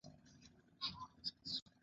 Uganda ya kuwa na vita na serikali za